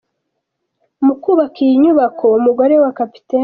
Mu kubaka iyi nyubako, umugore wa Capt.